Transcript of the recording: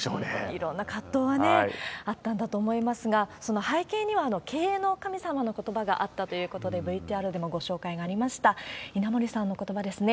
いろんな葛藤があったんだと思いますが、その背景には経営の神様のことばがあったということで、ＶＴＲでもご紹介がありました、稲盛さんのことばですね。